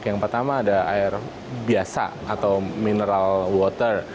yang pertama ada air biasa atau mineral water